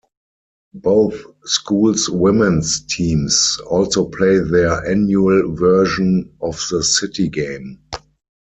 Both schools' women's teams also play their annual version of the City Game.